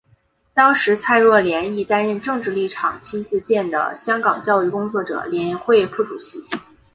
当时蔡若莲亦担任政治立场亲建制的香港教育工作者联会副主席。